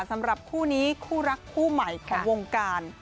สำหรับคู่นี้คู่รักคู่ใหม่ของวงการ